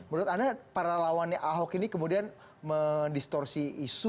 menurut anda para lawannya ahok ini kemudian mendistorsi isu